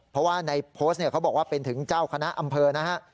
เพราะว่าในโพสต์เนี่ยเขาบอกว่าเป็นถึงเจ้าคณะอำเภอนะฮะ